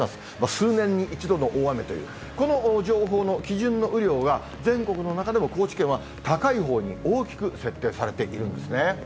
数年に一度の大雨という、この情報の基準の雨量が、全国の中でも高知県は高いほうに大きく設定されているんですね。